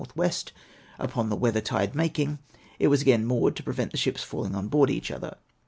W. upon the weather tide making, it was again moored, to prevent the ships falling on board each other.